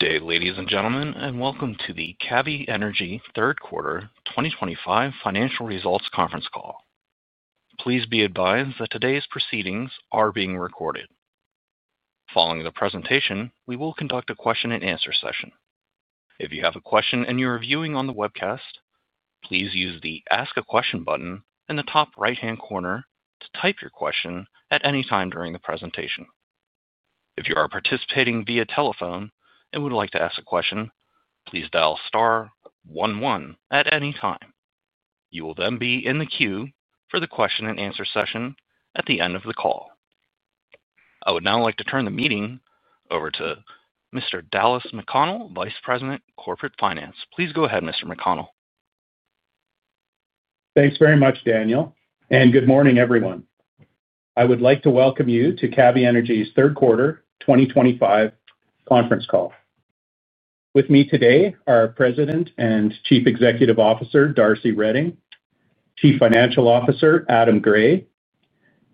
Good day, ladies and gentlemen, and welcome to the Cavvy Energy third quarter 2025 financial results conference call. Please be advised that today's proceedings are being recorded. Following the presentation, we will conduct a question-and-answer session. If you have a question and you're viewing on the webcast, please use the Ask a Question button in the top right-hand corner to type your question at any time during the presentation. If you are participating via telephone and would like to ask a question, please dial star one one at any time. You will then be in the queue for the question-and-answer session at the end of the call. I would now like to turn the meeting over to Mr. Dallas McConnell, Vice President, Corporate Finance. Please go ahead, Mr. McConnell. Thanks very much, Daniel, and good morning, everyone. I would like to welcome you to Cavvy Energy's third quarter 2025 conference call. With me today are President and Chief Executive Officer Darcy Reding, Chief Financial Officer Adam Gray,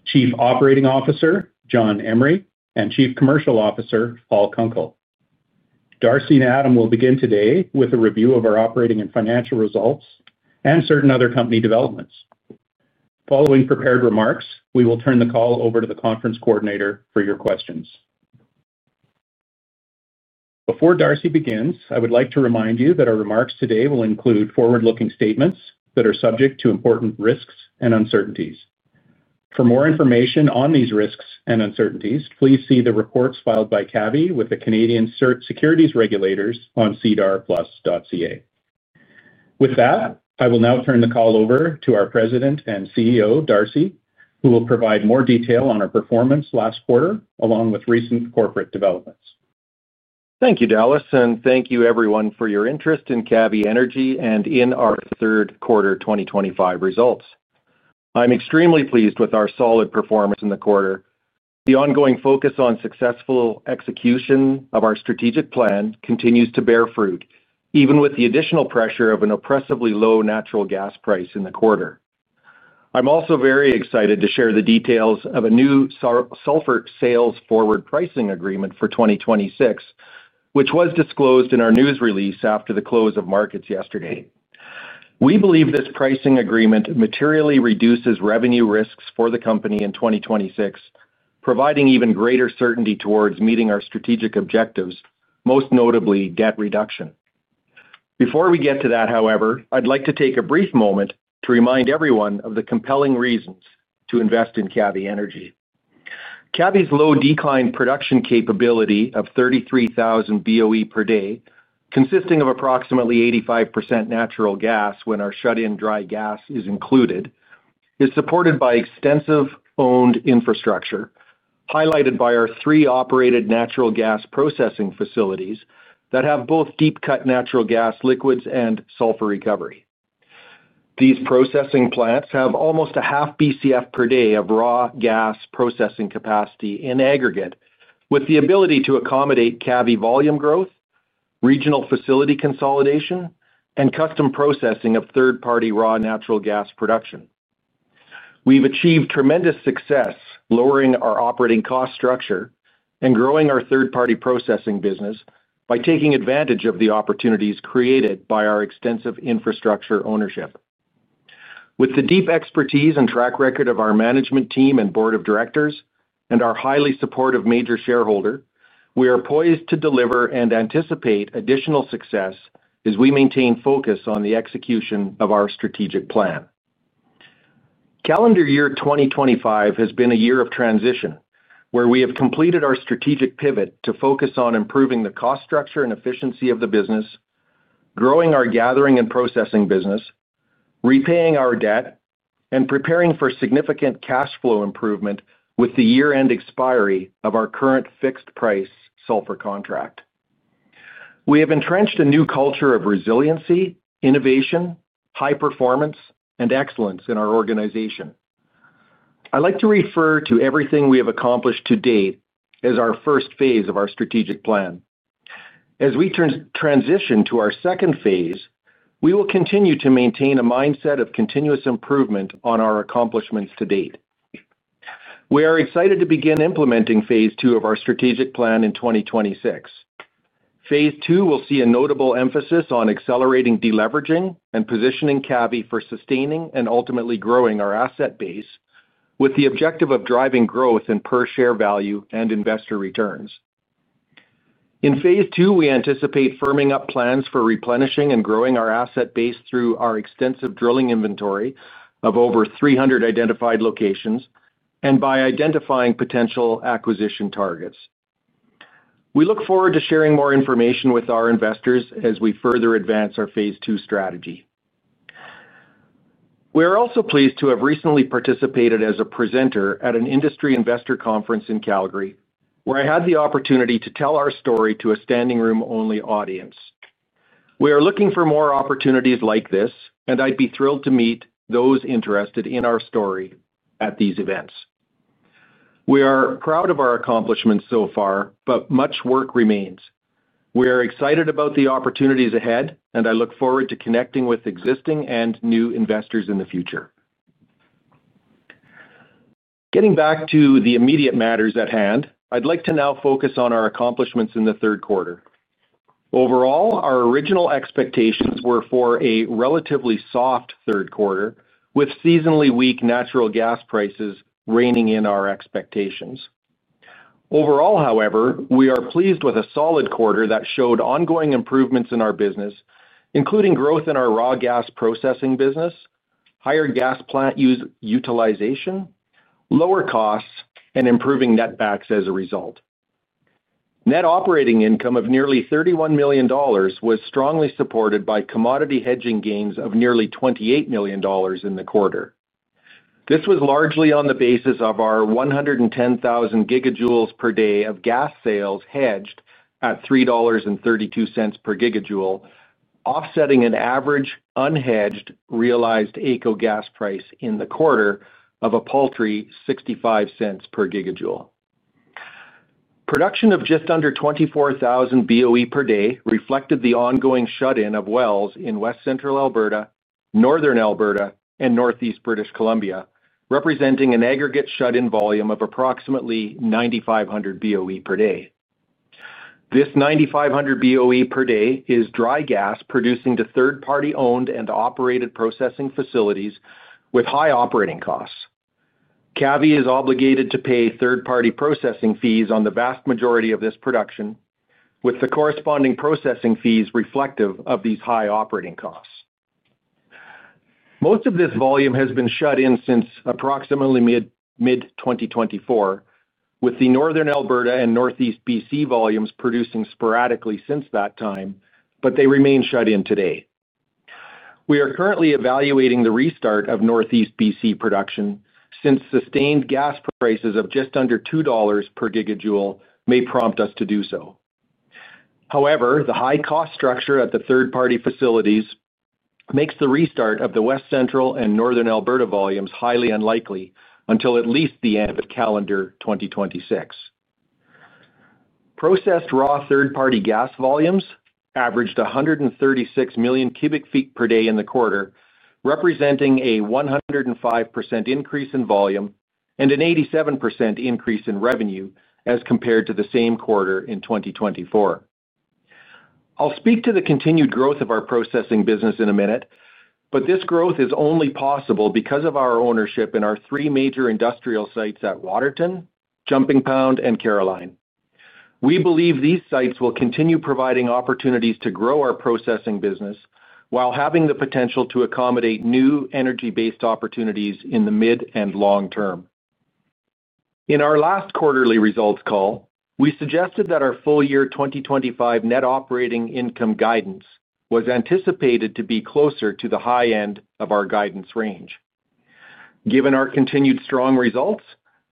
Chief Operating Officer John Emery, and Chief Commercial Officer Paul Kunkel. Darcy and Adam will begin today with a review of our operating and financial results and certain other company developments. Following prepared remarks, we will turn the call over to the conference coordinator for your questions. Before Darcy begins, I would like to remind you that our remarks today will include forward-looking statements that are subject to important risks and uncertainties. For more information on these risks and uncertainties, please see the reports filed by Cavvy with the Canadian Securities Regulators on sedarplus.ca. With that, I will now turn the call over to our President and CEO, Darcy, who will provide more detail on our performance last quarter along with recent corporate developments. Thank you, Dallas, and thank you, everyone, for your interest in Cavvy Energy and in our third quarter 2025 results. I'm extremely pleased with our solid performance in the quarter. The ongoing focus on successful execution of our strategic plan continues to bear fruit, even with the additional pressure of an oppressively low natural gas price in the quarter. I'm also very excited to share the details of a new sulphur sales forward pricing agreement for 2026, which was disclosed in our news release after the close of markets yesterday. We believe this pricing agreement materially reduces revenue risks for the company in 2026, providing even greater certainty towards meeting our strategic objectives, most notably debt reduction. Before we get to that, however, I'd like to take a brief moment to remind everyone of the compelling reasons to invest in Cavvy Energy. Cavvy's low-decline production capability of 33,000 boe/d, consisting of approximately 85% natural gas when our shut-in dry gas is included, is supported by extensive owned infrastructure, highlighted by our three operated natural gas processing facilities that have both deep-cut natural gas liquids and sulphur recovery. These processing plants have almost a half BCF per day of raw gas processing capacity in aggregate, with the ability to accommodate Cavvy volume growth, regional facility consolidation, and custom processing of third-party raw natural gas production. We've achieved tremendous success lowering our operating cost structure and growing our third-party processing business by taking advantage of the opportunities created by our extensive infrastructure ownership. With the deep expertise and track record of our management team and board of directors, and our highly supportive major shareholder, we are poised to deliver and anticipate additional success as we maintain focus on the execution of our strategic plan. Calendar year 2025 has been a year of transition where we have completed our strategic pivot to focus on improving the cost structure and efficiency of the business, growing our gathering and processing business, repaying our debt, and preparing for significant cash flow improvement with the year-end expiry of our current fixed-price sulphur contract. We have entrenched a new culture of resiliency, innovation, high performance, and excellence in our organization. I'd like to refer to everything we have accomplished to date as our first phase of our strategic plan. As we transition to our second phase, we will continue to maintain a mindset of continuous improvement on our accomplishments to date. We are excited to begin implementing phase 2 of our strategic plan in 2026. Phase 2 will see a notable emphasis on accelerating deleveraging and positioning Cavvy Energy for sustaining and ultimately growing our asset base with the objective of driving growth in per-share value and investor returns. In phase 2, we anticipate firming up plans for replenishing and growing our asset base through our extensive drilling inventory of over 300 identified locations and by identifying potential acquisition targets. We look forward to sharing more information with our investors as we further advance our phase 2 strategy. We are also pleased to have recently participated as a presenter at an industry investor conference in Calgary, where I had the opportunity to tell our story to a standing room-only audience. We are looking for more opportunities like this, and I'd be thrilled to meet those interested in our story at these events. We are proud of our accomplishments so far, but much work remains. We are excited about the opportunities ahead, and I look forward to connecting with existing and new investors in the future. Getting back to the immediate matters at hand, I'd like to now focus on our accomplishments in the third quarter. Overall, our original expectations were for a relatively soft third quarter, with seasonally weak natural gas prices reining in our expectations. Overall, however, we are pleased with a solid quarter that showed ongoing improvements in our business, including growth in our raw gas processing business, higher gas plant utilization, lower costs, and improving netback as a result. Net operating income of nearly 31 million dollars was strongly supported by commodity hedging gains of nearly 28 million dollars in the quarter. This was largely on the basis of our 110,000 GJ/d of gas sales hedged at 3.32 dollars per GJ, offsetting an average unhedged realized AECO gas price in the quarter of a paltry 0.65 per GJ. Production of just under 24,000 boe/d reflected the ongoing shut-in of wells in West Central Alberta, Northern Alberta, and Northeast British Columbia, representing an aggregate shut-in volume of approximately 9,500 boe/d. This 9,500 boe/d is dry gas producing to third-party-owned and operated processing facilities with high operating costs. Cavvy is obligated to pay third-party processing fees on the vast majority of this production, with the corresponding processing fees reflective of these high operating costs. Most of this volume has been shut in since approximately mid-2024, with the Northern Alberta and Northeast British Columbia volumes producing sporadically since that time, but they remain shut in today. We are currently evaluating the restart of Northeast British Columbia production since sustained gas prices of just under 2 dollars per GJ may prompt us to do so. However, the high cost structure at the third-party facilities makes the restart of the West Central and Northern Alberta volumes highly unlikely until at least the end of calendar 2026. Processed raw third-party gas volumes averaged 136 MMcf/d in the quarter, representing a 105% increase in volume and an 87% increase in revenue as compared to the same quarter in 2024. I'll speak to the continued growth of our processing business in a minute, but this growth is only possible because of our ownership in our three major industrial sites at Waterton, Jumping Pound, and Caroline. We believe these sites will continue providing opportunities to grow our processing business while having the potential to accommodate new energy-based opportunities in the mid and long term. In our last quarterly results call, we suggested that our full year 2025 net operating income guidance was anticipated to be closer to the high end of our guidance range. Given our continued strong results,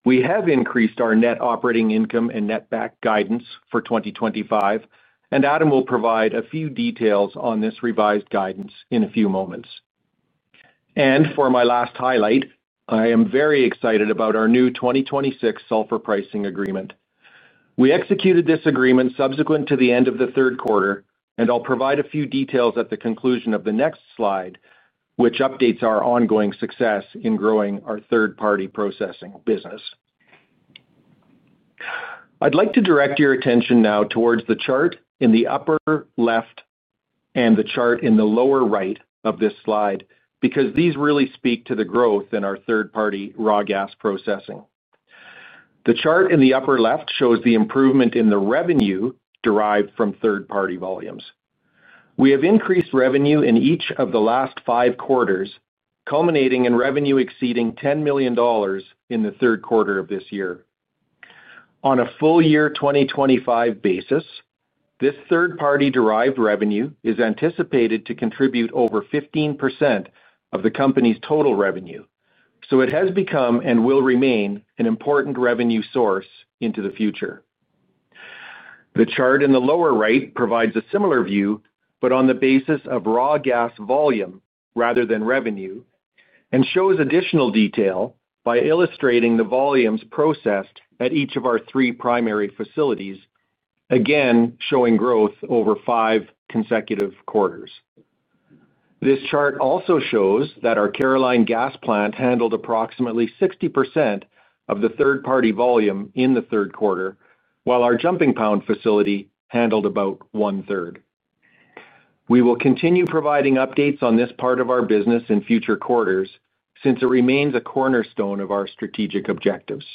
we have increased our net operating income and netback guidance for 2025, and Adam will provide a few details on this revised guidance in a few moments. For my last highlight, I am very excited about our new 2026 sulphur pricing agreement. We executed this agreement subsequent to the end of the third quarter, and I'll provide a few details at the conclusion of the next slide, which updates our ongoing success in growing our third-party processing business. I'd like to direct your attention now towards the chart in the upper left and the chart in the lower right of this slide because these really speak to the growth in our third-party raw gas processing. The chart in the upper left shows the improvement in the revenue derived from third-party volumes. We have increased revenue in each of the last five quarters, culminating in revenue exceeding 10 million dollars in the third quarter of this year. On a full year 2025 basis, this third-party derived revenue is anticipated to contribute over 15% of the company's total revenue, so it has become and will remain an important revenue source into the future. The chart in the lower right provides a similar view, but on the basis of raw gas volume rather than revenue, and shows additional detail by illustrating the volumes processed at each of our three primary facilities, again showing growth over five consecutive quarters. This chart also shows that our Caroline gas plant handled approximately 60% of the third-party volume in the third quarter, while our Jumping Pound facility handled about one-third. We will continue providing updates on this part of our business in future quarters since it remains a cornerstone of our strategic objectives.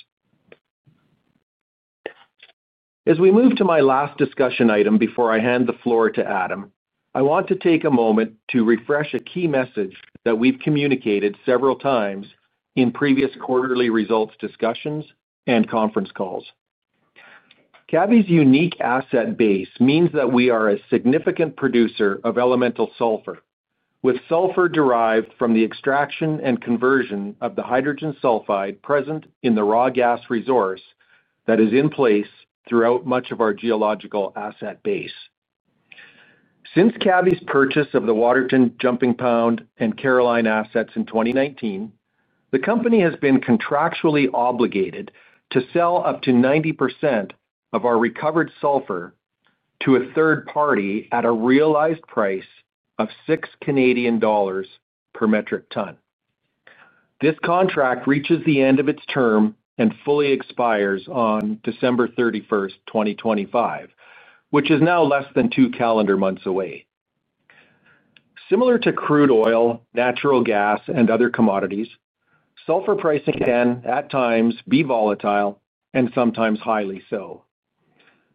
As we move to my last discussion item before I hand the floor to Adam, I want to take a moment to refresh a key message that we've communicated several times in previous quarterly results discussions and conference calls. Cavvy's unique asset base means that we are a significant producer of elemental sulphur, with sulphur derived from the extraction and conversion of the hydrogen sulfide present in the raw gas resource that is in place throughout much of our geological asset base. Since Cavvy's purchase of the Waterton, Jumping Pound, and Caroline assets in 2019, the company has been contractually obligated to sell up to 90% of our recovered sulphur to a third party at a realized price of 6 Canadian dollars per metric ton. This contract reaches the end of its term and fully expires on December 31st, 2025, which is now less than two calendar months away. Similar to crude oil, natural gas, and other commodities, sulphur pricing can at times be volatile and sometimes highly so.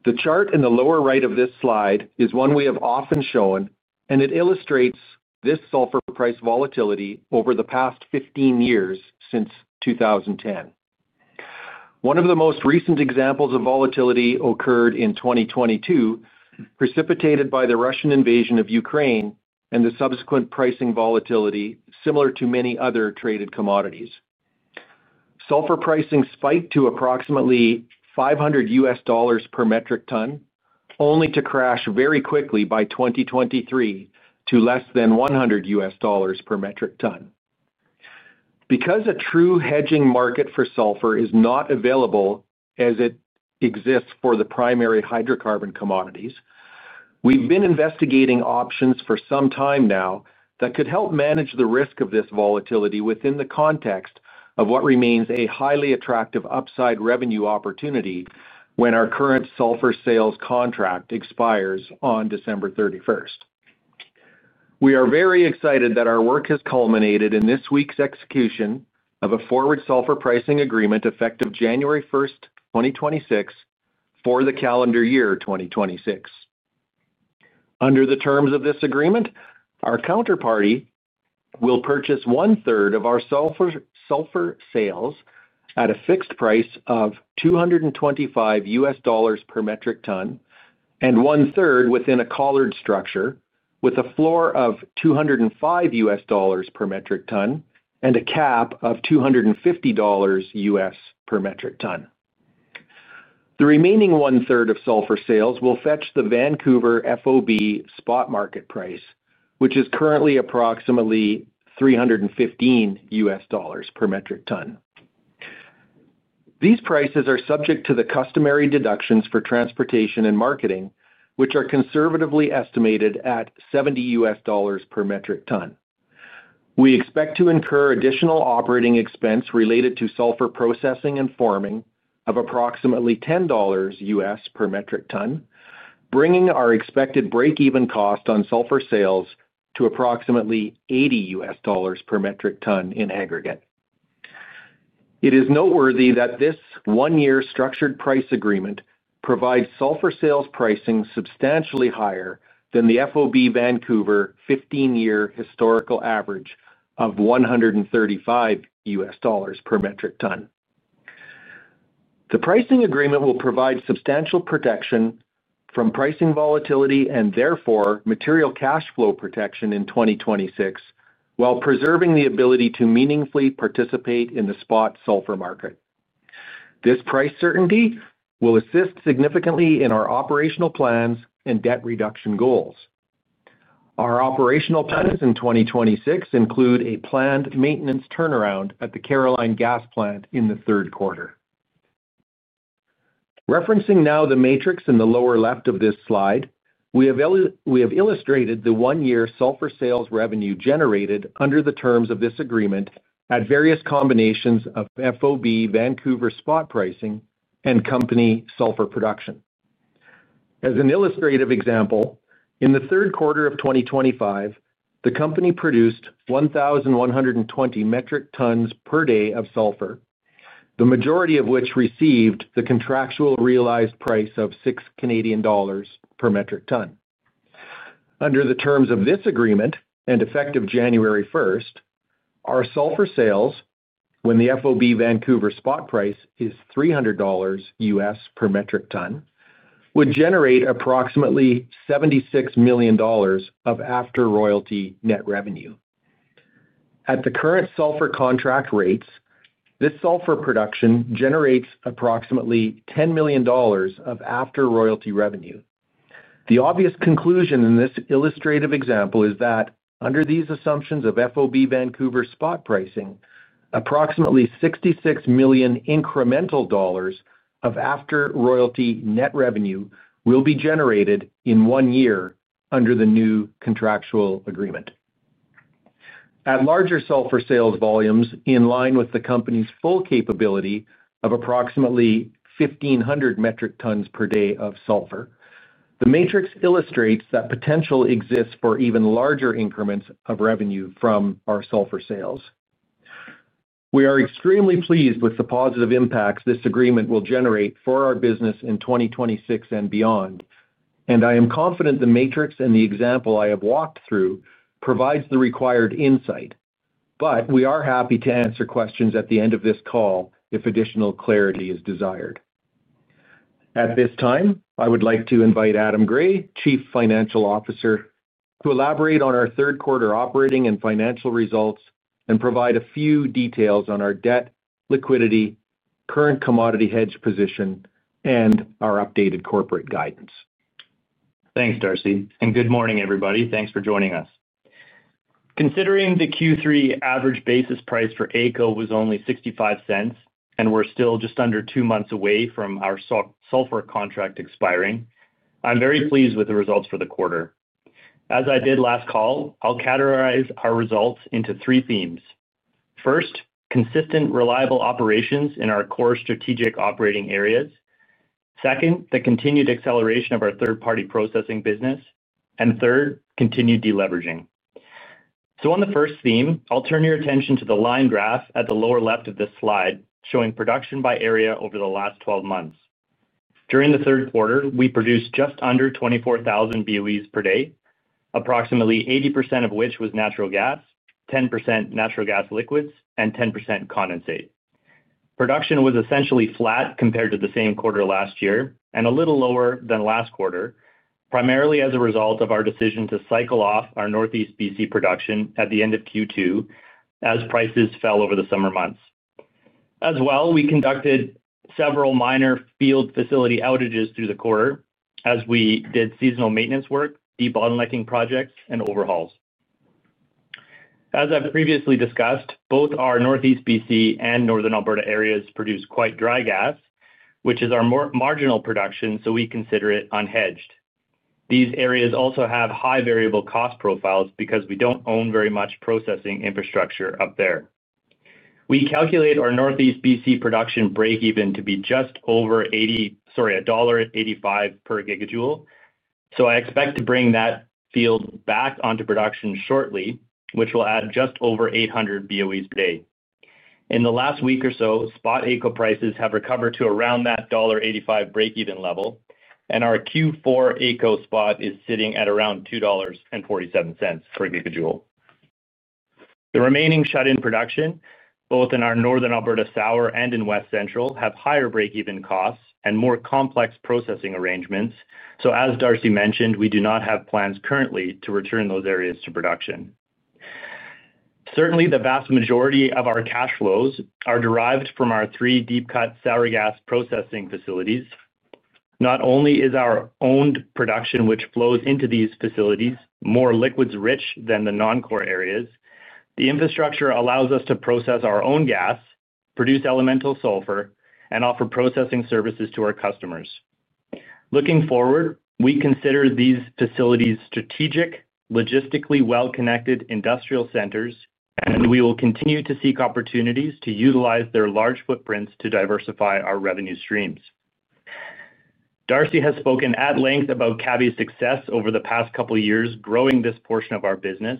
The chart in the lower right of this slide is one we have often shown, and it illustrates this sulphur price volatility over the past 15 years since 2010. One of the most recent examples of volatility occurred in 2022, precipitated by the Russian invasion of Ukraine and the subsequent pricing volatility similar to many other traded commodities. Sulfur pricing spiked to approximately CAD 500 per metric ton, only to crash very quickly by 2023 to less than CAD 100 per metric ton. Because a true hedging market for sulphur is not available as it exists for the primary hydrocarbon commodities, we've been investigating options for some time now that could help manage the risk of this volatility within the context of what remains a highly attractive upside revenue opportunity when our current sulphur sales contract expires on December 31st. We are very excited that our work has culminated in this week's execution of a forward sulphur pricing agreement effective January 1st, 2026, for the calendar year 2026. Under the terms of this agreement, our counterparty will purchase one-third of our sulphur sales at a fixed price of CAD 225 per metric ton and one-third within a collared structure with a floor of CAD 205 per metric ton and a cap of CAD 250 per metric ton. The remaining one-third of sulphur sales will fetch the Vancouver FOB spot market price, which is currently approximately CAD 315 per metric ton. These prices are subject to the customary deductions for transportation and marketing, which are conservatively estimated at CAD 70 per metric ton. We expect to incur additional operating expense related to sulphur processing and forming of approximately 10 dollars per metric ton, bringing our expected break-even cost on sulphur sales to approximately CAD 80 per metric ton in aggregate. It is noteworthy that this one-year structured price agreement provides sulphur sales pricing substantially higher than the FOB Vancouver 15-year historical average of CAD 135 per metric ton. The pricing agreement will provide substantial protection from pricing volatility and therefore material cash flow protection in 2026, while preserving the ability to meaningfully participate in the spot sulphur market. This price certainty will assist significantly in our operational plans and debt reduction goals. Our operational plans in 2026 include a planned maintenance turnaround at the Caroline gas plant in the third quarter. Referencing now the matrix in the lower left of this slide, we have illustrated the one-year sulphur sales revenue generated under the terms of this agreement at various combinations of FOB Vancouver spot pricing and company sulphur production. As an illustrative example, in the third quarter of 2025, the company produced 1,120 metric tons per day of sulphur, the majority of which received the contractual realized price of 6 Canadian dollars per metric ton. Under the terms of this agreement and effective January 1st, our sulphur sales, when the FOB Vancouver spot price is 300 dollars per metric ton, would generate approximately 76 million dollars of after royalty net revenue. At the current sulphur contract rates, this sulphur production generates approximately 10 million dollars of after royalty revenue. The obvious conclusion in this illustrative example is that under these assumptions of FOB Vancouver spot pricing, approximately 66 million incremental dollars of after royalty net revenue will be generated in one year under the new contractual agreement. At larger sulphur sales volumes, in line with the company's full capability of approximately 1,500 metric tons per day of sulphur, the matrix illustrates that potential exists for even larger increments of revenue from our sulphur sales. We are extremely pleased with the positive impacts this agreement will generate for our business in 2026 and beyond, and I am confident the matrix and the example I have walked through provides the required insight, but we are happy to answer questions at the end of this call if additional clarity is desired. At this time, I would like to invite Adam Gray, Chief Financial Officer, to elaborate on our third quarter operating and financial results and provide a few details on our debt, liquidity, current commodity hedge position, and our updated corporate guidance. Thanks, Darcy, and good morning, everybody. Thanks for joining us. Considering the Q3 average basis price for AECO was only 0.65 and we're still just under two months away from our sulphur contract expiring, I'm very pleased with the results for the quarter. As I did last call, I'll categorize our results into three themes. First, consistent, reliable operations in our core strategic operating areas. Second, the continued acceleration of our third-party processing business. Third, continued deleveraging. On the first theme, I'll turn your attention to the line graph at the lower left of this slide showing production by area over the last 12 months. During the third quarter, we produced just under 24,000 boe/d, approximately 80% of which was natural gas, 10% natural gas liquids, and 10% condensate. Production was essentially flat compared to the same quarter last year and a little lower than last quarter, primarily as a result of our decision to cycle off our Northeast British Columbia production at the end of Q2 as prices fell over the summer months. As well, we conducted several minor field facility outages through the quarter as we did seasonal maintenance work, de-bottlenecking projects, and overhauls. As I've previously discussed, both our Northeast British Columbia and Northern Alberta areas produce quite dry gas, which is our marginal production, so we consider it unhedged. These areas also have high variable cost profiles because we do not own very much processing infrastructure up there. We calculate our Northeast British Columbia production break-even to be just over 1.85 dollar per GJ, so I expect to bring that field back onto production shortly, which will add just over 800 boe/d. In the last week or so, spot AECO prices have recovered to around that dollar 1.85 break-even level, and our Q4 AECO spot is sitting at around 2.47 dollars per GJ. The remaining shut-in production, both in our Northern Alberta Sour and in West Central Alberta, have higher break-even costs and more complex processing arrangements, so as Darcy mentioned, we do not have plans currently to return those areas to production. Certainly, the vast majority of our cash flows are derived from our three deep-cut sour gas processing facilities. Not only is our owned production, which flows into these facilities, more liquids-rich than the non-core areas, the infrastructure allows us to process our own gas, produce elemental sulphur, and offer processing services to our customers. Looking forward, we consider these facilities strategic, logistically well-connected industrial centers, and we will continue to seek opportunities to utilize their large footprints to diversify our revenue streams. Darcy has spoken at length about Cavvy's success over the past couple of years growing this portion of our business.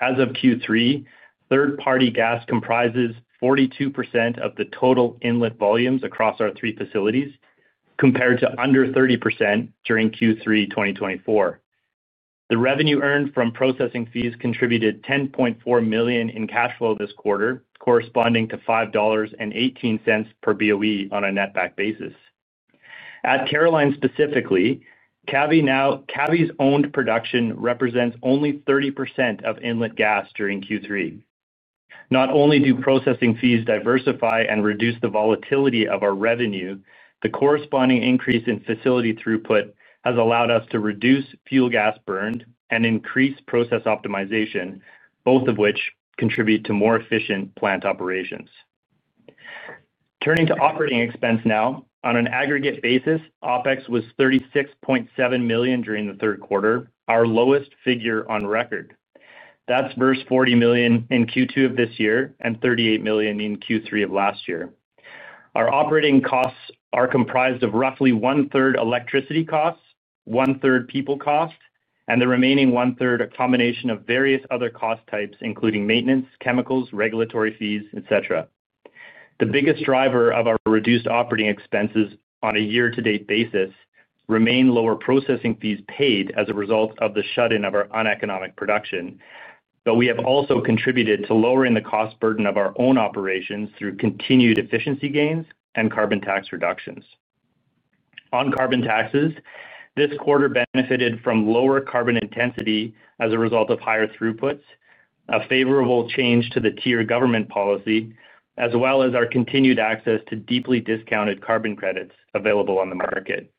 As of Q3, third-party gas comprises 42% of the total inlet volumes across our three facilities, compared to under 30% during Q3 2023. The revenue earned from processing fees contributed 10.4 million in cash flow this quarter, corresponding to 5.18 dollars per boe on a netback basis. At Caroline specifically, Cavvy's owned production represents only 30% of inlet gas during Q3. Not only do processing fees diversify and reduce the volatility of our revenue, the corresponding increase in facility throughput has allowed us to reduce fuel gas burned and increase process optimization, both of which contribute to more efficient plant operations. Turning to operating expense now, on an aggregate basis, OpEx was 36.7 million during the third quarter, our lowest figure on record. That's versus 40 million in Q2 of this year and 38 million in Q3 of last year. Our operating costs are comprised of roughly one-third electricity costs, one-third people costs, and the remaining one-third a combination of various other cost types, including maintenance, chemicals, regulatory fees, etc. The biggest driver of our reduced operating expenses on a year-to-date basis remains lower processing fees paid as a result of the shut-in of our uneconomic production, but we have also contributed to lowering the cost burden of our own operations through continued efficiency gains and carbon tax reductions. On carbon taxes, this quarter benefited from lower carbon intensity as a result of higher throughputs, a favorable change to the tier government policy, as well as our continued access to deeply discounted carbon credits available on the market.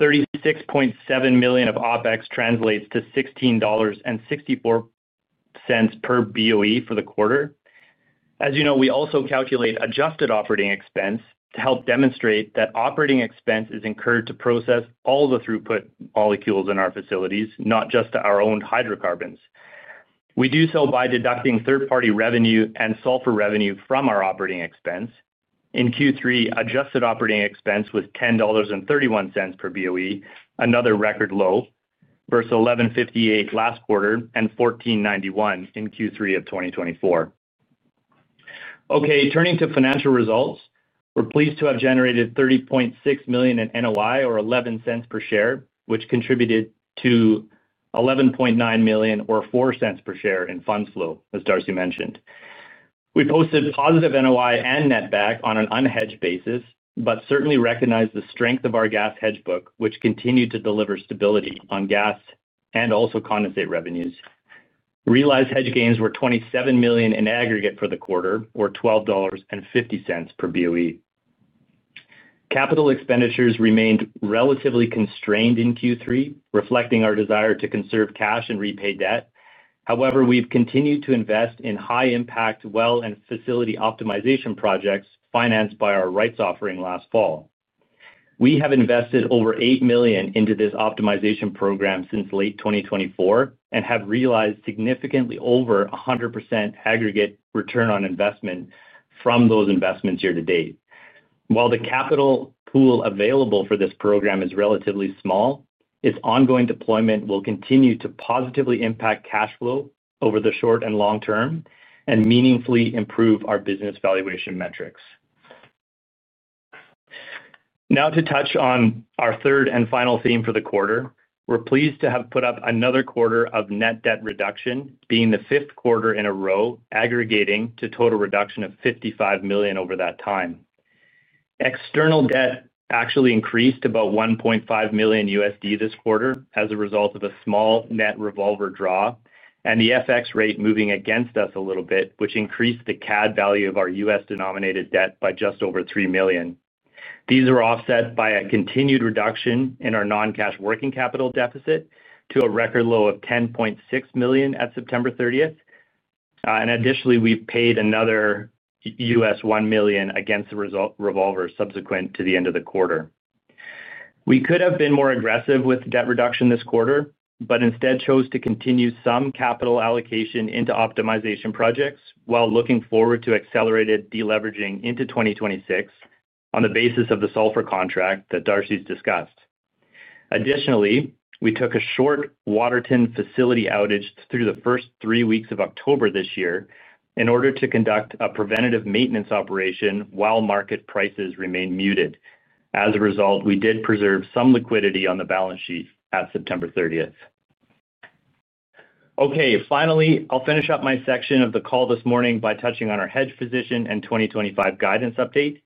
36.7 million of OpEx translates to 16.64 dollars per boe for the quarter. As you know, we also calculate adjusted operating expense to help demonstrate that operating expense is incurred to process all the throughput molecules in our facilities, not just our owned hydrocarbons. We do so by deducting third-party revenue and sulphur revenue from our operating expense. In Q3, adjusted operating expense was 10.31 dollars per boe, another record low, versus 11.58 last quarter and 14.91 in Q3 of 2024. Okay, turning to financial results, we're pleased to have generated 30.6 million in NOI, or 0.11 per share, which contributed to 11.9 million, or 0.04 per share in funds flow, as Darcy mentioned. We posted positive NOI and netback on an unhedged basis, but certainly recognized the strength of our gas hedge book, which continued to deliver stability on gas and also condensate revenues. Realized hedge gains were 27 million in aggregate for the quarter, or 12.50 dollars per boe. Capital expenditures remained relatively constrained in Q3, reflecting our desire to conserve cash and repay debt. However, we've continued to invest in high-impact well and facility optimization projects financed by our rights offering last fall. We have invested over 8 million into this optimization program since late 2024 and have realized significantly over 100% aggregate return on investment from those investments year to date. While the capital pool available for this program is relatively small, its ongoing deployment will continue to positively impact cash flow over the short and long term and meaningfully improve our business valuation metrics. Now to touch on our third and final theme for the quarter, we're pleased to have put up another quarter of net debt reduction, being the fifth quarter in a row, aggregating to a total reduction of 55 million over that time. External debt actually increased about CAD 1.5 million USD this quarter as a result of a small net revolver draw and the FX rate moving against us a little bit, which increased the CAD value of our US-denominated debt by just over 3 million. These are offset by a continued reduction in our non-cash working capital deficit to a record low of 10.6 million at September 30th. Additionally, we have paid another 1 million against the revolver subsequent to the end of the quarter. We could have been more aggressive with debt reduction this quarter, but instead chose to continue some capital allocation into optimization projects while looking forward to accelerated deleveraging into 2026 on the basis of the sulphur contract that Darcy has discussed. Additionally, we took a short Waterton facility outage through the first three weeks of October this year in order to conduct a preventative maintenance operation while market prices remained muted. As a result, we did preserve some liquidity on the balance sheet at September 30th. Okay, finally, I will finish up my section of the call this morning by touching on our hedge position and 2025 guidance update.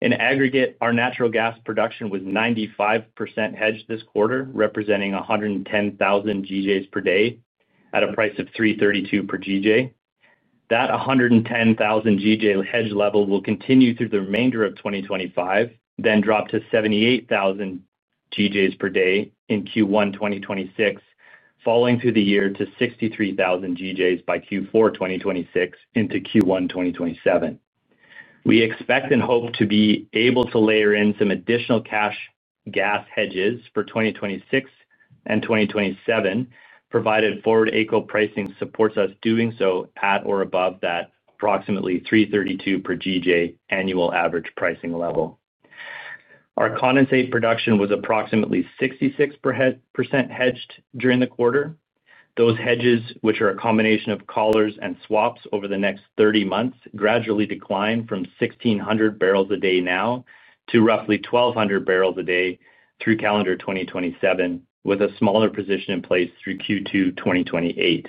In aggregate, our natural gas production was 95% hedged this quarter, representing 110,000 GJs per day at a price of 3.32 per GJ. That 110,000 GJ hedge level will continue through the remainder of 2025, then drop to 78,000 GJs per day in Q1 2026, falling through the year to 63,000 GJs by Q4 2026 into Q1 2027. We expect and hope to be able to layer in some additional cash gas hedges for 2026 and 2027, provided forward AECO pricing supports us doing so at or above that approximately 3.32 per GJ annual average pricing level. Our condensate production was approximately 66% hedged during the quarter. Those hedges, which are a combination of collars and swaps over the next 30 months, gradually declined from 1,600 barrels a day now to roughly 1,200 barrels a day through calendar 2027, with a smaller position in place through Q2 2028.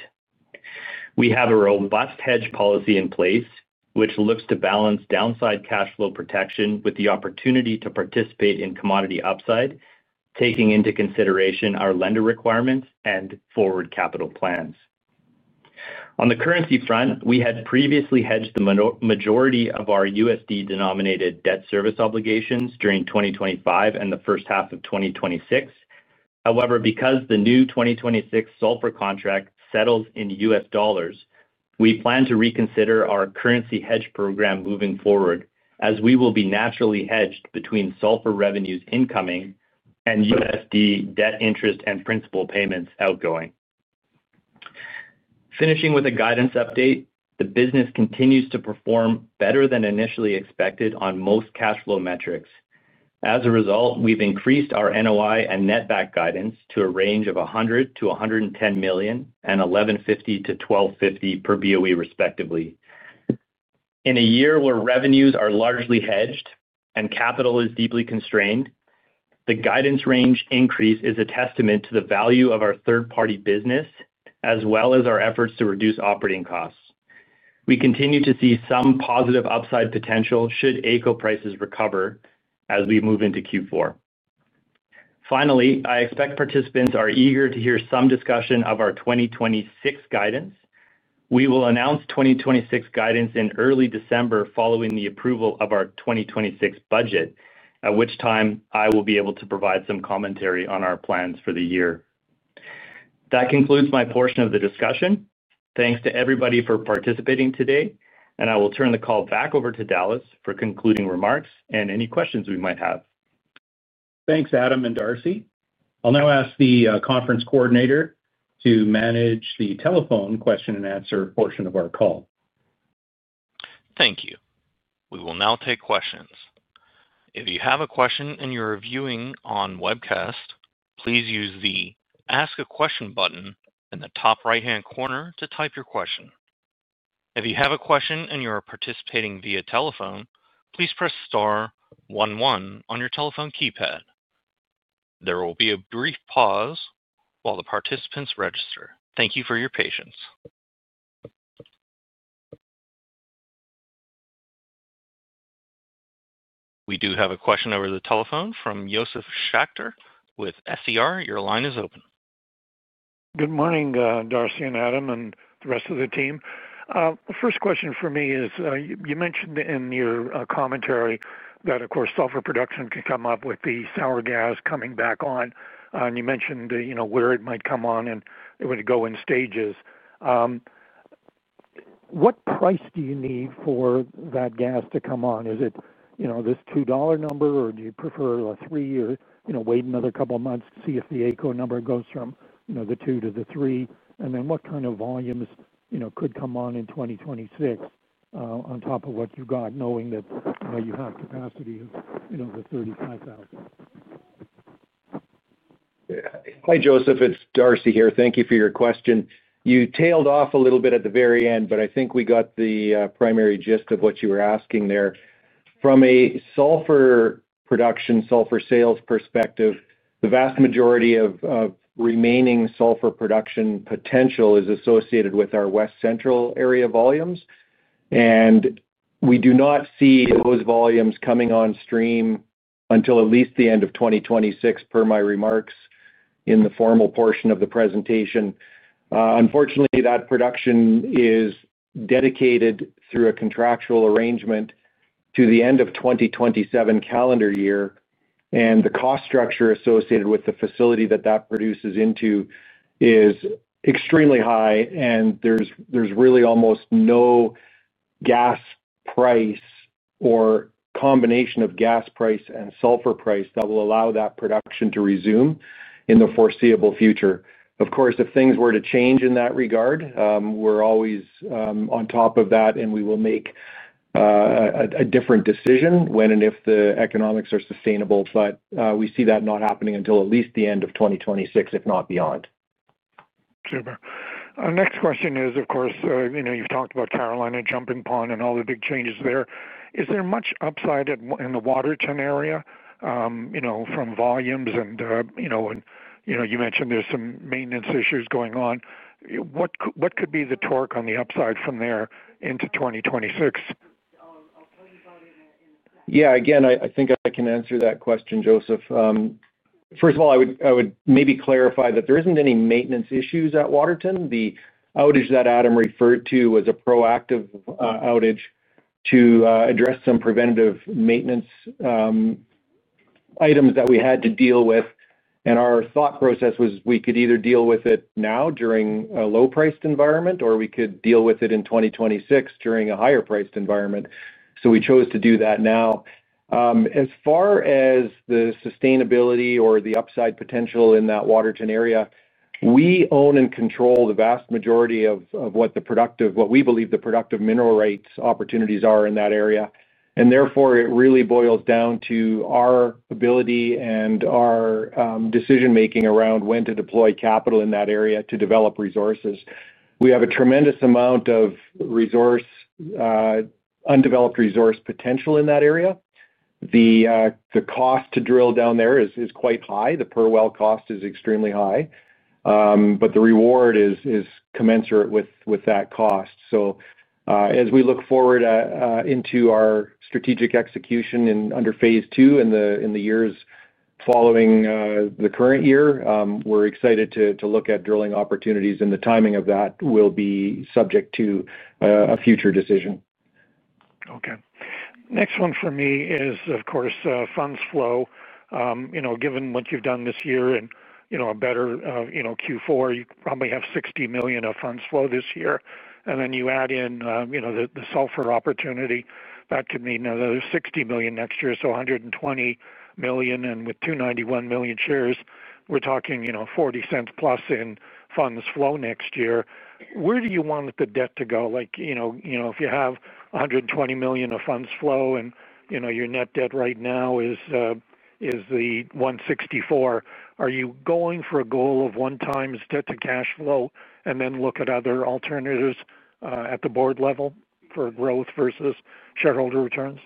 We have a robust hedge policy in place, which looks to balance downside cash flow protection with the opportunity to participate in commodity upside, taking into consideration our lender requirements and forward capital plans. On the currency front, we had previously hedged the majority of our USD-denominated debt service obligations during 2025 and the first half of 2026. However, because the new 2026 sulphur contract settles in U.S. dollars, we plan to reconsider our currency hedge program moving forward, as we will be naturally hedged between sulphur revenues incoming and USD debt interest and principal payments outgoing. Finishing with a guidance update, the business continues to perform better than initially expected on most cash flow metrics. As a result, we've increased our NOI and netback guidance to a range of 100 million-110 million and 11.50-12.50 per boe, respectively. In a year where revenues are largely hedged and capital is deeply constrained, the guidance range increase is a testament to the value of our third-party business, as well as our efforts to reduce operating costs. We continue to see some positive upside potential should AECO prices recover as we move into Q4. Finally, I expect participants are eager to hear some discussion of our 2026 guidance. We will announce 2026 guidance in early December following the approval of our 2026 budget, at which time I will be able to provide some commentary on our plans for the year. That concludes my portion of the discussion. Thanks to everybody for participating today, and I will turn the call back over to Dallas for concluding remarks and any questions we might have. Thanks, Adam and Darcy. I'll now ask the conference coordinator to manage the telephone question and answer portion of our call. Thank you. We will now take questions. If you have a question and you're viewing on webcast, please use the Ask a Question button in the top right-hand corner to type your question. If you have a question and you're participating via telephone, please press star one one on your telephone keypad. There will be a brief pause while the participants register. Thank you for your patience. We do have a question over the telephone from Josef Schachter with SER. Your line is open. Good morning, Darcy and Adam and the rest of the team. The first question for me is, you mentioned in your commentary that, of course, sulphur production can come up with the sour gas coming back on, and you mentioned where it might come on and it would go in stages. What price do you need for that gas to come on? Is it this 2 dollar number, or do you prefer a 3 or wait another couple of months to see if the AECO number goes from the 2 to the 3? And then what kind of volumes could come on in 2026 on top of what you've got, knowing that you have capacity of the 35,000? Hi, Josef. It's Darcy here. Thank you for your question. You tailed off a little bit at the very end, but I think we got the primary gist of what you were asking there. From a sulphur production, sulphur sales perspective, the vast majority of remaining sulphur production potential is associated with our West Central area volumes, and we do not see those volumes coming on stream until at least the end of 2026, per my remarks in the formal portion of the presentation. Unfortunately, that production is dedicated through a contractual arrangement to the end of 2027 calendar year, and the cost structure associated with the facility that that produces into is extremely high, and there's really almost no gas price or combination of gas price and sulphur price that will allow that production to resume in the foreseeable future. Of course, if things were to change in that regard, we're always on top of that, and we will make a different decision when and if the economics are sustainable, but we see that not happening until at least the end of 2026, if not beyond. Super. Our next question is, of course, you've talked about Caroline, Jumping Pound, and all the big changes there. Is there much upside in the Waterton area from volumes and? And you mentioned there's some maintenance issues going on. What could be the torque on the upside from there into 2026? I'll tell you about it in a second. Yeah, again, I think I can answer that question, Josef. First of all, I would maybe clarify that there isn't any maintenance issues at Waterton. The outage that Adam referred to was a proactive outage to address some preventative maintenance items that we had to deal with, and our thought process was we could either deal with it now during a low-priced environment or we could deal with it in 2026 during a higher-priced environment. We chose to do that now. As far as the sustainability or the upside potential in that Waterton area, we own and control the vast majority of what we believe the productive mineral rights opportunities are in that area, and therefore it really boils down to our ability and our decision-making around when to deploy capital in that area to develop resources. We have a tremendous amount of undeveloped resource potential in that area. The cost to drill down there is quite high. The per well cost is extremely high, but the reward is commensurate with that cost. As we look forward into our strategic execution under phase 2 in the years following the current year, we're excited to look at drilling opportunities, and the timing of that will be subject to a future decision. Okay. Next one for me is, of course, funds flow. Given what you've done this year and a better Q4, you probably have 60 million of funds flow this year, and then you add in the sulphur opportunity. That could mean another 60 million next year. So 120 million and with 291 million shares, we're talking 0.40+ in funds flow next year. Where do you want the debt to go? If you have 120 million of funds flow and your net debt right now is the 164 million, are you going for a goal of one-time debt to cash flow and then look at other alternatives at the board level for growth versus shareholder returns?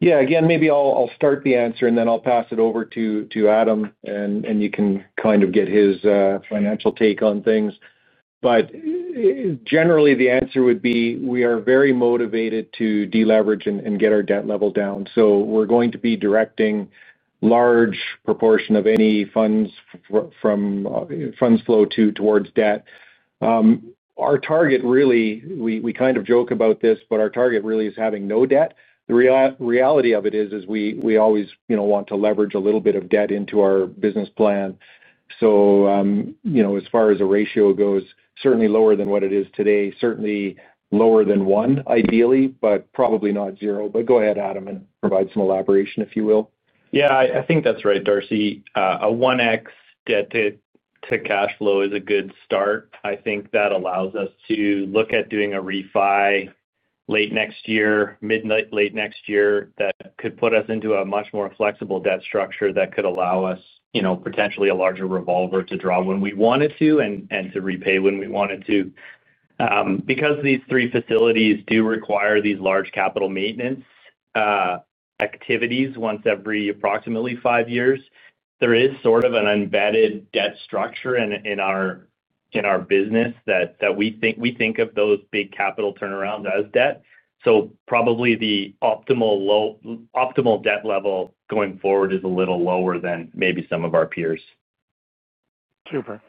Yeah. Again, maybe I'll start the answer and then I'll pass it over to Adam, and you can kind of get his financial take on things. Generally, the answer would be we are very motivated to deleverage and get our debt level down. We are going to be directing a large proportion of any funds flow towards debt. Our target, really—we kind of joke about this—but our target really is having no debt. The reality of it is we always want to leverage a little bit of debt into our business plan. As far as a ratio goes, certainly lower than what it is today, certainly lower than one, ideally, but probably not zero. Go ahead, Adam, and provide some elaboration, if you will. Yeah, I think that's right, Darcy. A 1x debt to cash flow is a good start. I think that allows us to look at doing a refi late next year, midnight late next year, that could put us into a much more flexible debt structure that could allow us potentially a larger revolver to draw when we wanted to and to repay when we wanted to. Because these three facilities do require these large capital maintenance activities once every approximately five years, there is sort of an embedded debt structure in our business that we think of those big capital turnarounds as debt. Probably the optimal debt level going forward is a little lower than maybe some of our peers. Super.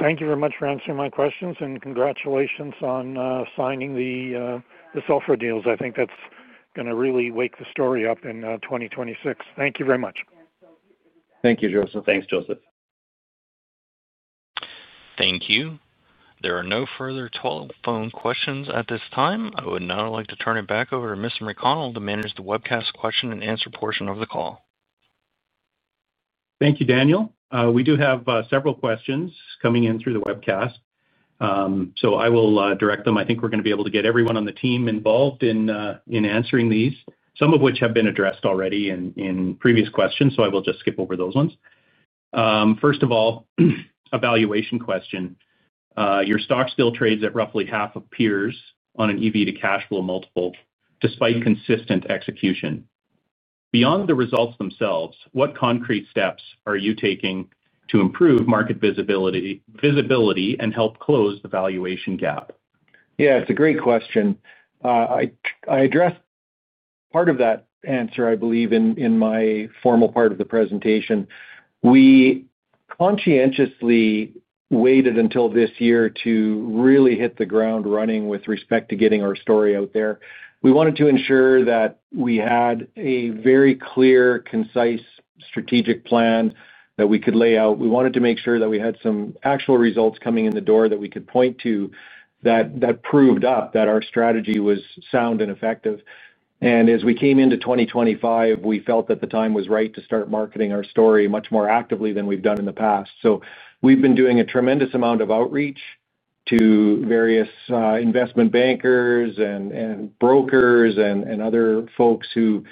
Thank you very much for answering my questions, and congratulations on signing the sulphur deals. I think that's going to really wake the story up in 2026. Thank you very much. Thank you, Josef. Thanks, Josef. Thank you. There are no further telephone questions at this time. I would now like to turn it back over to Mr. McConnell to manage the webcast question and answer portion of the call. Thank you, Daniel. We do have several questions coming in through the webcast, so I will direct them. I think we're going to be able to get everyone on the team involved in answering these, some of which have been addressed already in previous questions, so I will just skip over those ones. First of all, evaluation question. Your stock still trades at roughly half of peers on an EV to cash flow multiple despite consistent execution. Beyond the results themselves, what concrete steps are you taking to improve market visibility and help close the valuation gap? Yeah, it's a great question. I addressed part of that answer, I believe, in my formal part of the presentation. We conscientiously waited until this year to really hit the ground running with respect to getting our story out there. We wanted to ensure that we had a very clear, concise strategic plan that we could lay out. We wanted to make sure that we had some actual results coming in the door that we could point to that proved up that our strategy was sound and effective. As we came into 2025, we felt that the time was right to start marketing our story much more actively than we've done in the past. We have been doing a tremendous amount of outreach to various investment bankers and brokers and other folks who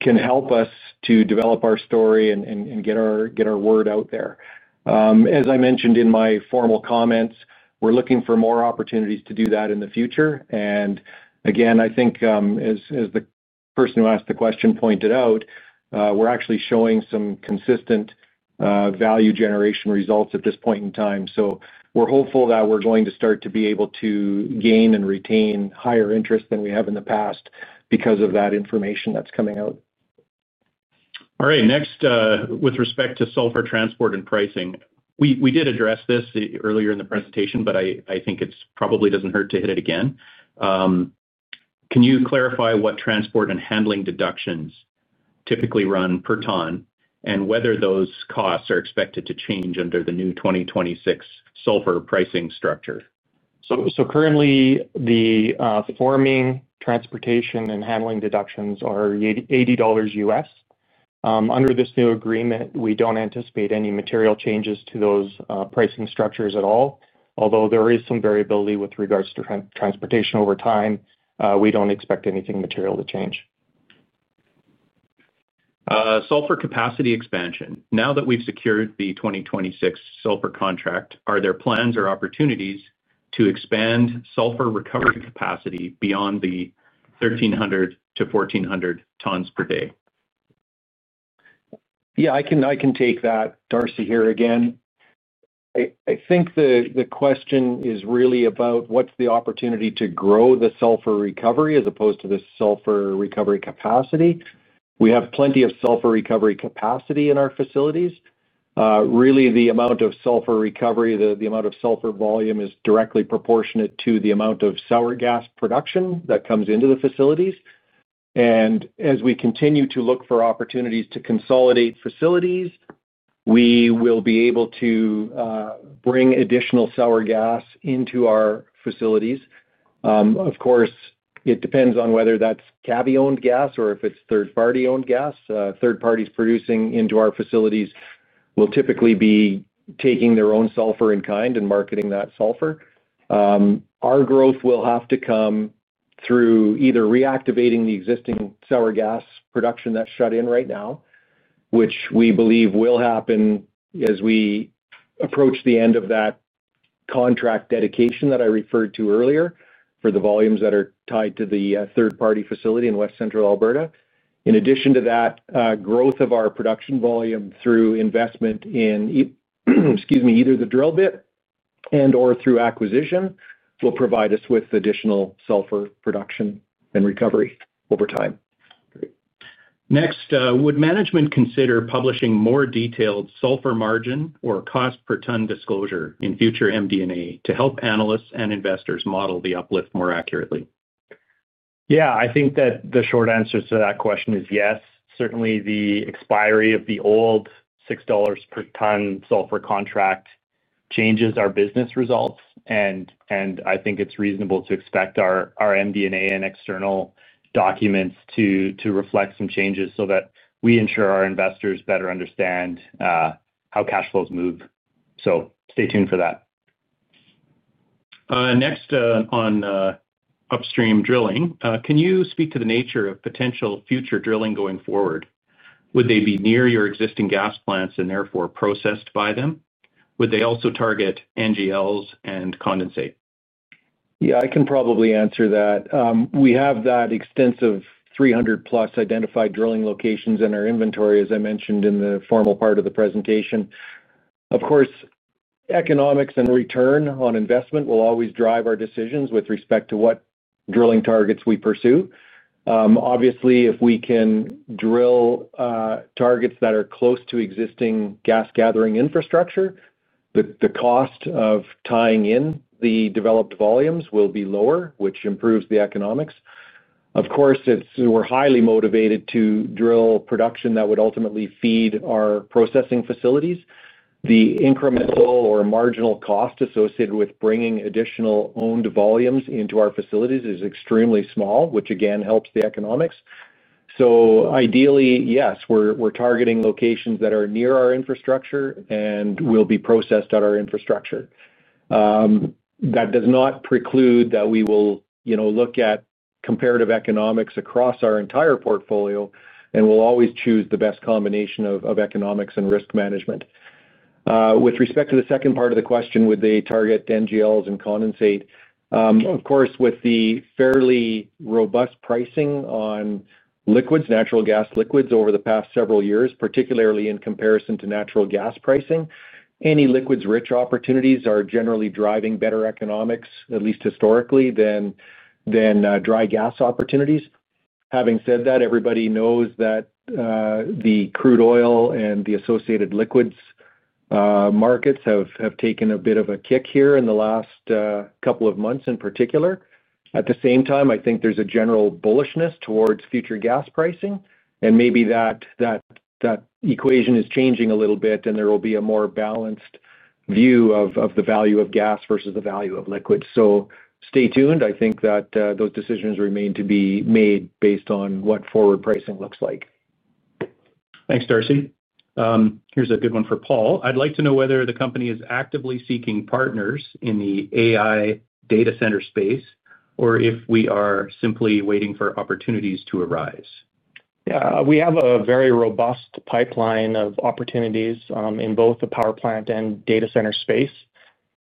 can help us to develop our story and get our word out there. As I mentioned in my formal comments, we're looking for more opportunities to do that in the future. I think, as the person who asked the question pointed out, we're actually showing some consistent value generation results at this point in time. We are hopeful that we're going to start to be able to gain and retain higher interest than we have in the past because of that information that's coming out. All right. Next, with respect to sulphur transport and pricing, we did address this earlier in the presentation, but I think it probably does not hurt to hit it again. Can you clarify what transport and handling deductions typically run per ton and whether those costs are expected to change under the new 2026 sulphur pricing structure? Currently, the forming transportation and handling deductions are $80. Under this new agreement, we do not anticipate any material changes to those pricing structures at all. Although there is some variability with regards to transportation over time, we do not expect anything material to change. Sulfur capacity expansion. Now that we have secured the 2026 sulphur contract, are there plans or opportunities to expand sulphur recovery capacity beyond the 1,300 tons-1,400 tons per day? Yeah, I can take that, Darcy, here again. I think the question is really about what's the opportunity to grow the sulphur recovery as opposed to the sulphur recovery capacity. We have plenty of sulphur recovery capacity in our facilities. Really, the amount of sulphur recovery, the amount of sulphur volume is directly proportionate to the amount of sour gas production that comes into the facilities. As we continue to look for opportunities to consolidate facilities, we will be able to bring additional sour gas into our facilities. Of course, it depends on whether that's Cavvy-owned gas or if it's third-party-owned gas. Third parties producing into our facilities will typically be taking their own sulphur in kind and marketing that sulphur. Our growth will have to come through either reactivating the existing sour gas production that's shut in right now, which we believe will happen as we approach the end of that contract dedication that I referred to earlier for the volumes that are tied to the third-party facility in West Central Alberta. In addition to that, growth of our production volume through investment in, excuse me, either the drill bit and/or through acquisition will provide us with additional sulphur production and recovery over time. Next, would management consider publishing more detailed sulphur margin or cost per ton disclosure in future MD&A to help analysts and investors model the uplift more accurately? Yeah, I think that the short answer to that question is yes. Certainly, the expiry of the old 6 dollars per ton sulphur contract changes our business results, and I think it's reasonable to expect our MD&A and external documents to reflect some changes so that we ensure our investors better understand how cash flows move. Stay tuned for that. Next, on upstream drilling, can you speak to the nature of potential future drilling going forward? Would they be near your existing gas plants and therefore processed by them? Would they also target NGLs and condensate? Yeah, I can probably answer that. We have that extensive 300+ identified drilling locations in our inventory, as I mentioned in the formal part of the presentation. Of course, economics and return on investment will always drive our decisions with respect to what drilling targets we pursue. Obviously, if we can drill targets that are close to existing gas-gathering infrastructure, the cost of tying in the developed volumes will be lower, which improves the economics. Of course, we're highly motivated to drill production that would ultimately feed our processing facilities. The incremental or marginal cost associated with bringing additional owned volumes into our facilities is extremely small, which again helps the economics. Ideally, yes, we're targeting locations that are near our infrastructure and will be processed at our infrastructure. That does not preclude that we will look at comparative economics across our entire portfolio, and we'll always choose the best combination of economics and risk management. With respect to the second part of the question, would they target NGLs and condensate? Of course, with the fairly robust pricing on natural gas liquids over the past several years, particularly in comparison to natural gas pricing, any liquids-rich opportunities are generally driving better economics, at least historically, than dry gas opportunities. Having said that, everybody knows that the crude oil and the associated liquids markets have taken a bit of a kick here in the last couple of months in particular. At the same time, I think there is a general bullishness towards future gas pricing, and maybe that equation is changing a little bit, and there will be a more balanced view of the value of gas versus the value of liquids. Stay tuned. I think that those decisions remain to be made based on what forward pricing looks like. Thanks, Darcy. Here is a good one for Paul. I'd like to know whether the company is actively seeking partners in the AI data center space or if we are simply waiting for opportunities to arise. Yeah, we have a very robust pipeline of opportunities in both the power plant and data center space.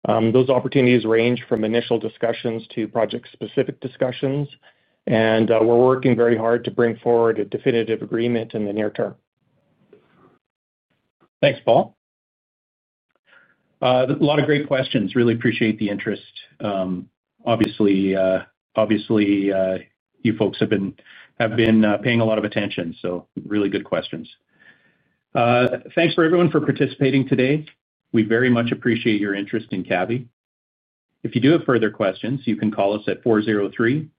Those opportunities range from initial discussions to project-specific discussions, and we're working very hard to bring forward a definitive agreement in the near term. Thanks, Paul. A lot of great questions. Really appreciate the interest. Obviously, you folks have been paying a lot of attention, so really good questions. Thanks for everyone for participating today. We very much appreciate your interest in Cavvy Energy. If you do have further questions, you can call us at 403-.